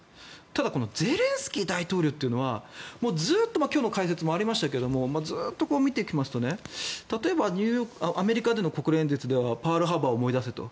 ただゼレンスキー大統領というのはずっと今日の解説にもありましたがずっと見てきますと例えばアメリカでの国連演説ではパール・ハーバーを思い出せと。